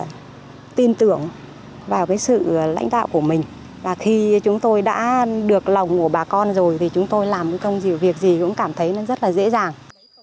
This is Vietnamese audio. chúng tôi phải tin tưởng vào sự lãnh đạo của mình và khi chúng tôi đã được lòng của bà con rồi thì chúng tôi làm công việc gì cũng cảm thấy rất là dễ dàng